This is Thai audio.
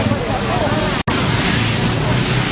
สุดท้ายสุดท้ายสุดท้าย